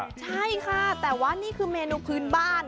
ใช่ค่ะแต่ว่านี่คือเมนูพื้นบ้าน